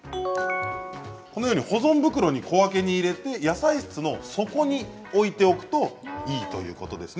保存袋に小分けに入れて野菜室の底に置いておくといいということです。